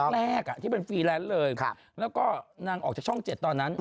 แรกที่เป็นฟรีแลนซ์เลยแล้วก็นางออกจากช่อง๗ตอนนั้น